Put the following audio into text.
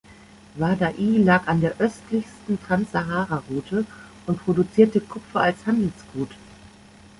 Wadai lag an der östlichsten Transsahara-Route und produzierte Kupfer als Handelsgut.